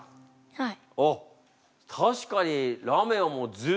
はい。